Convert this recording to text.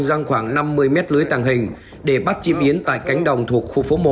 răng khoảng năm mươi mét lưới tàng hình để bắt chim yến tại cánh đồng thuộc khu phố một